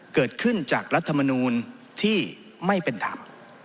เกิดขึ้นจากรัฐมนูลที่ไม่เป็นธรรม